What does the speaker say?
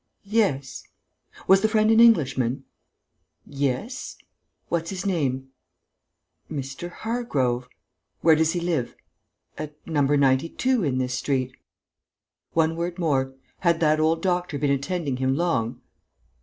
"Yes." "Was the friend an Englishman?" "Yes." "What's his name?" "Mr. Hargrove." "Where does he live?" "At No. 92 in this street." "One word more: had that old doctor been attending him long?"